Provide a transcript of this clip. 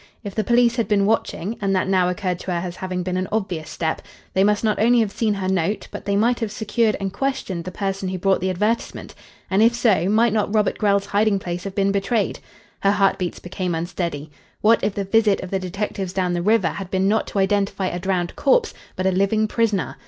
If the police had been watching and that now occurred to her as having been an obvious step they must not only have seen her note, but they might have secured and questioned the person who brought the advertisement. And if so, might not Robert Grell's hiding place have been betrayed? Her heartbeats became unsteady. What if the visit of the detectives down the river had been not to identify a drowned corpse, but a living prisoner?